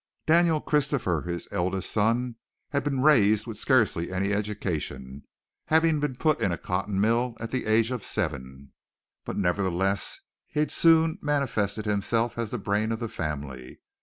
Daniel Christopher, his eldest son, had been raised with scarcely any education, having been put in a cotton mill at the age of seven, but nevertheless he soon manifested himself as the brain of the family.